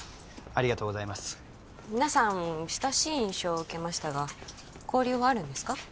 ありがとうございます皆さん親しい印象を受けましたが交流はあるんですか？